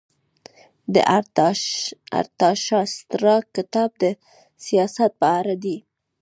د ارتاشاسترا کتاب د سیاست په اړه دی.